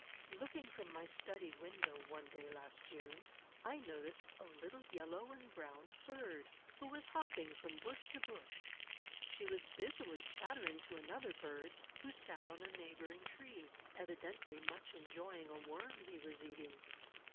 Looking from my study window, one day, last June, I noticed a little yellow and brown bird, who was hopping from bush to bush. She was busily chattering to another bird, who sat on a neighboring tree, evidently much enjoying a worm he was eating.